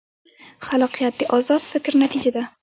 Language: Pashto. خلاقیت د ازاد فکر نتیجه ده.